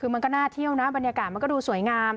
คือมันก็น่าเที่ยวนะบรรยากาศมันก็ดูสวยงาม